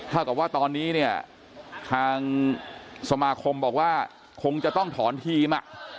เท่ากับว่าตอนนี้เนี่ยทางสมาคมบอกว่าคงจะต้องถอนทีม